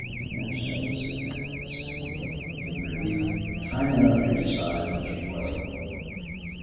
"That settles it, then," said Neale, in relief. "Time enough to decide when she is well again....